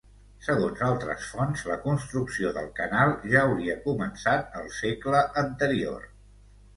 Segons altres fonts, la construcció del canal ja hauria començat al segle anterior.